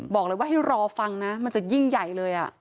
บอกเลยว่าให้รอฟังนะมันจะยิ่งใหญ่เลย